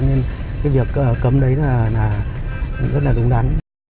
nên cái việc cấm đấy là rất là đúng đắn